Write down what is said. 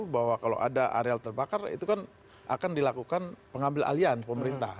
bahwa kalau ada areal terbakar itu kan akan dilakukan pengambil alian pemerintah